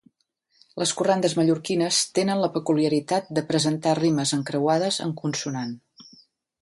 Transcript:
Les corrandes mallorquines tenen la peculiaritat de presentar rimes encreuades en consonant.